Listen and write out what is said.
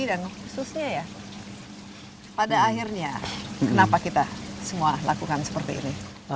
khususnya ya pada akhirnya kenapa kita semua lakukan seperti ini